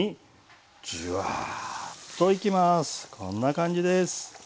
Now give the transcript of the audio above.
こんな感じです。